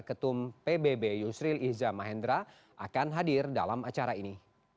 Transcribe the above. ketum pbb yusril izzah mahendra akan hadir dalam acara ini